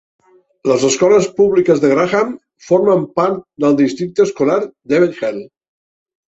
Les escoles públiques de Graham formen part del districte escolar de Bethel.